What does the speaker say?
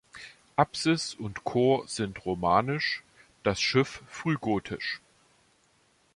Apsis und Chor sind romanisch, das Schiff frühgotisch.